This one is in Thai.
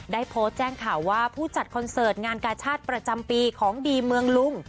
ได้โพสต์แจ้งข่าวว่าผู้จัดคอนเสิร์ตงานกาชาติประจำปีของดีเมืองลุง